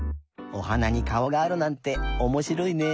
おはなにかおがあるなんておもしろいね。